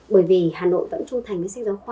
bởi vì hà nội vẫn trung thành với sách giáo khoa